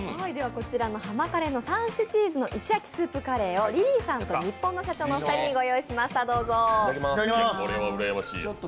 こちらのハマカレの３種チーズの石焼きスープカレをリリーさんとニッポンの社長のお二人にご用意しました。